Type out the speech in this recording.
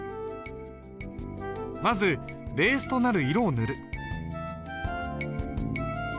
まずベースとなる色を塗る。